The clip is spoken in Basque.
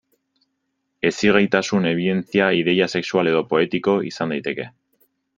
Hezigaiztasun ebidentzia, ideia sexual edo poetiko... izan daiteke.